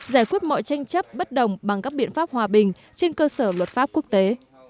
giải quyết mọi tranh chấp bất đồng bằng các biện pháp hòa bình trên cơ sở luật pháp quốc tế